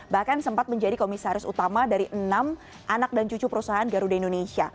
bahkan sempat menjadi komisaris utama dari enam anak dan cucu perusahaan garuda indonesia